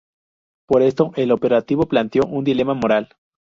Por esto el operativo planteó un dilema moral.